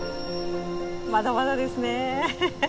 まだまだですねエヘヘ。